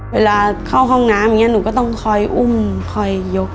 เวลาเข้าห้องน้ำอย่างนี้หนูก็ต้องคอยอุ้มคอยยก